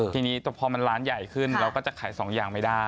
ทีนี้พอมันร้านใหญ่ขึ้นเราก็จะขายสองอย่างไม่ได้